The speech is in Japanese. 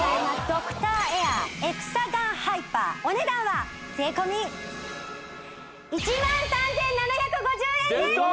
ドクターエアエクサガンハイパーお値段は税込１万３７５０円です！